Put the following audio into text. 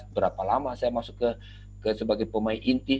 berapa lama saya masuk sebagai pemain inti